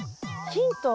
ヒント？